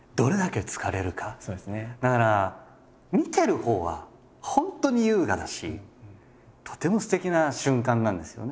だから見てるほうは本当に優雅だしとてもすてきな瞬間なんですよね。